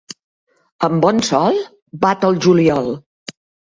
Amb bon sol, bat al juliol.